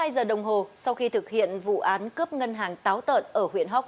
hai mươi hai giờ đồng hồ sau khi thực hiện vụ án cướp ngân hàng táo tợn ở huyện hoc mon